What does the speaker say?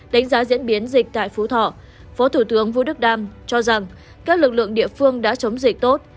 đánh giá diễn biến dịch tại phú thọ phó thủ tướng vũ đức đam cho rằng các lực lượng địa phương đã chống dịch tốt